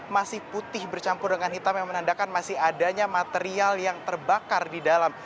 masih putih bercampur dengan hitam yang menandakan masih adanya material yang terbakar di dalam